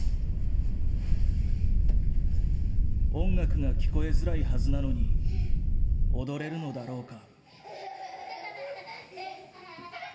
音楽が聞こえづらいはずなのに踊れるのだろうか？